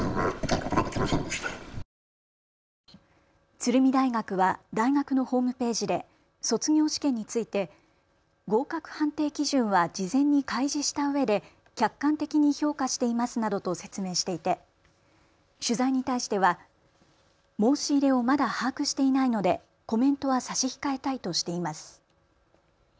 鶴見大学は大学のホームページで卒業試験について合格判定基準は事前に開示したうえで客観的に評価していますなどと説明していて取材に対しては、申し入れをまだ把握していないのでコメントは差し控えたいとしています。